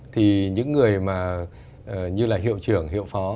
thì những người mà như là hiệu trưởng hiệu phó